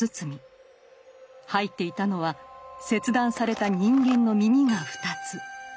入っていたのは切断された人間の耳が２つ。